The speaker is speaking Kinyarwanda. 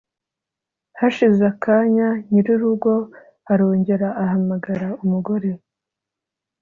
hashize akanya nyir'urugo arongera ahamagara umugore